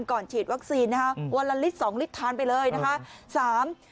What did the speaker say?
๓วันก่อนฉีดวัคซีนนะครับวันละลิตร๒ลิตรทานไปเลยนะครับ